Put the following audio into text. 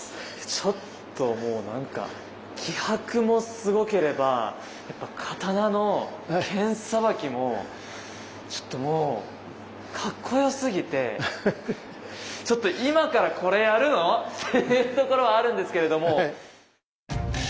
ちょっともうなんか気迫もすごければ刀の剣さばきもちょっともうかっこよすぎてちょっと今からこれやるの？っていうところあるんですけれども。